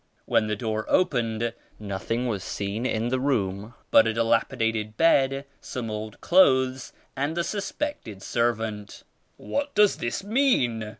When the door opened, nothing was seen in the room but a dilapidated bed, some old clothes and the suspected servant. What does this mean?'